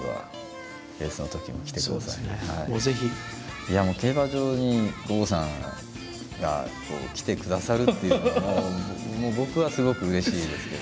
いやもう競馬場に郷さんが来てくださるっていうのが僕はすごくうれしいですけど。